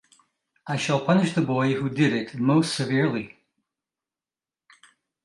I shall punish the boy who did it most severely.